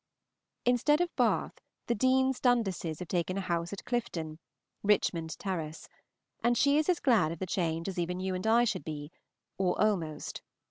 Instead of Bath the Deans Dundases have taken a house at Clifton Richmond Terrace and she is as glad of the change as even you and I should be, or almost.